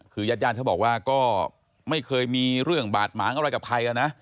คือญาติญาติเขาบอกว่าก็ไม่เคยมีเรื่องบาดหมางอะไรกับใครนะ